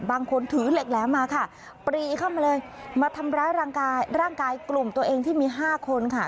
ถือเหล็กแหลมมาค่ะปรีเข้ามาเลยมาทำร้ายร่างกายร่างกายกลุ่มตัวเองที่มี๕คนค่ะ